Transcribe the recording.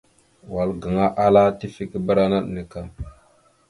Wal gaŋa ala : tifekeberánaɗ neke.